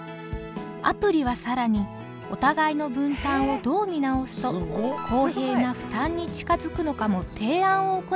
アプリは更にお互いの分担をどう見直すと公平な負担に近づくのかも提案を行ってくれるのです。